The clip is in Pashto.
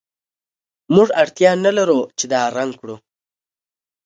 موږ اړتیا نلرو چې دا رنګ کړو